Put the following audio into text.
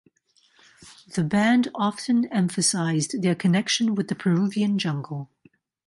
The band often emphasised their connection with the Peruvian jungle.